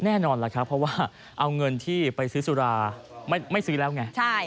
แน่นอนล่ะครับเพราะว่าเอาเงินที่ไปซื้อสุราไม่ซื้อแล้วไง